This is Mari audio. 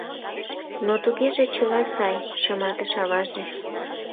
— Но тугеже чыла сай, — шыматыш аваже.